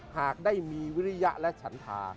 หากได้มีวิริยะและฉันธา